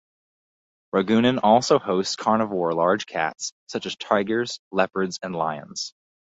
Ragunan also hosts carnivore large cats such as tigers, leopards, and lions.